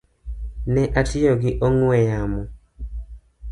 Ne atiyo gi ong’we yamo